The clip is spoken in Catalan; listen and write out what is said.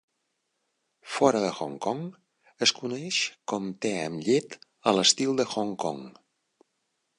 Fora de Hong Kong, es coneix com te amb llet a l'estil de Hong Kong.